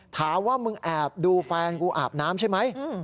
ถามว่ามึงแอบดูแฟนกูอาบน้ำใช่ไหม